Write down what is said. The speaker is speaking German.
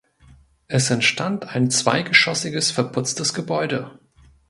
Es entstand ein zweigeschossiges verputztes Gebäude.